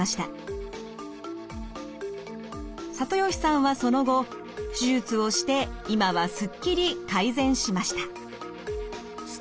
里吉さんはその後手術をして今はすっきり改善しました。